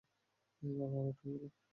বাবা আউট হয়ে গেল!